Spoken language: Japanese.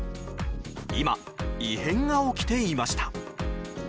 今、異変が起きていました。